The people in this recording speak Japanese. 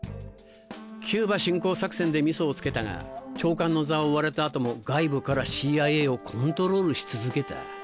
キューバ侵攻作戦でミソをつけたが長官の座を追われた後も外部からＣＩＡをコントロールし続けた。